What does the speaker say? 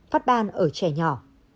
phát ban ở trẻ nhỏ